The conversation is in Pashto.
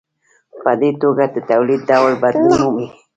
په دې توګه د تولید ډول بدلون مومي.